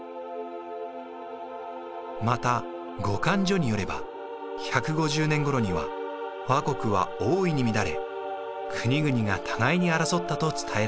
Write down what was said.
また「後漢書」によれば１５０年ごろには倭国は大いに乱れ国々が互いに争ったと伝えられています。